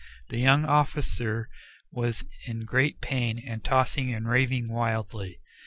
The young officer was in great pain and tossing and raving wildly.